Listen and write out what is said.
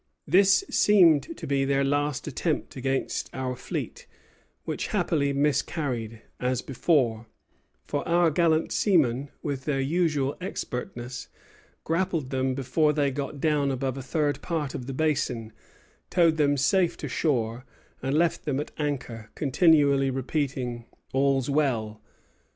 This seemed to be their last attempt against our fleet, which happily miscarried, as before; for our gallant seamen, with their usual expertness, grappled them before they got down above a third part of the Basin, towed them safe to shore, and left them at anchor, continually repeating, All's well.